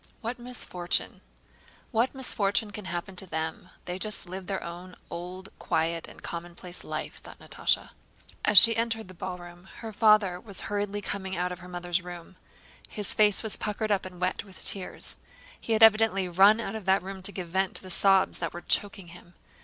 "What misfortune? What misfortune can happen to them? They just live their own old, quiet, and commonplace life," thought Natásha. As she entered the ballroom her father was hurriedly coming out of her mother's room. His face was puckered up and wet with tears. He had evidently run out of that room to give vent to the sobs that were choking him.